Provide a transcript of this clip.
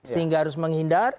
sehingga harus menghindar